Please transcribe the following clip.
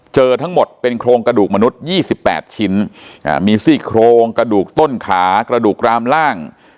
เจอทั้งหมดเป็นโครงกระดูกมนุษย์๒๘ชิ้นมีซี่โครงกระดูกต้นขากระดูกรามล่าง